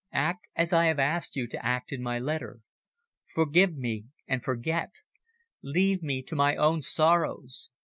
Act as I asked you to act in my letter. Forgive me and forget. Leave me to my own sorrows.